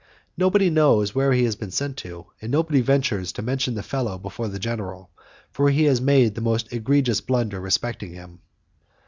Nobody knows where he has been sent to, and nobody ventures to mention the fellow before the general, for he made the most egregious blunder respecting him."